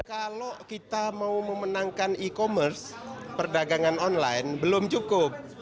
kalau kita mau memenangkan e commerce perdagangan online belum cukup